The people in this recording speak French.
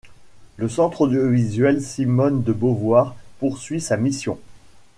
Le Centre audiovisuel Simone de Beauvoir poursuit sa mission.